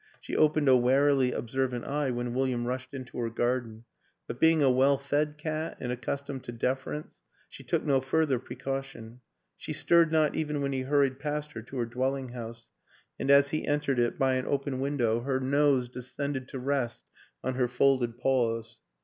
She opened a warily observant eye when William rushed into her garden; but being a well fed cat, and ac customed to deference, she took no further pre caution. She stirred not even when he hurried past her to her dwelling house, and as he entered it by an open window her nose descended to rest on her folded paws.